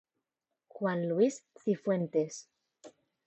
Juan Luis Cifuentes.